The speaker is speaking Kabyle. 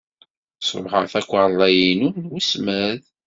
Sṛuḥeɣ takarḍa-inu n wesmad.